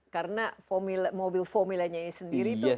karena mobil formulanya sendiri